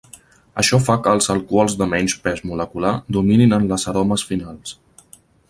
Això fa que els alcohols de menys pes molecular dominin en les aromes finals.